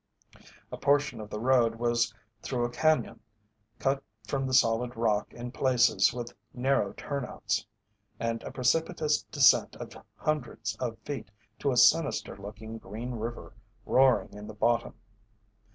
A portion of the road was through a cañon, cut from the solid rock in places, with narrow turnouts, and a precipitous descent of hundreds of feet to a sinister looking green river roaring in the bottom.